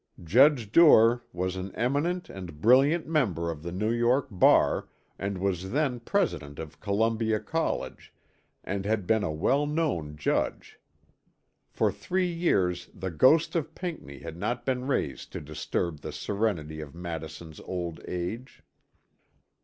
Judge Duer was an eminent and brilliant member of the New York bar and was then President of Columbia College and had been a well known judge. For three years the ghost of Pinckney had not been raised to disturb the serenity of Madison's old age.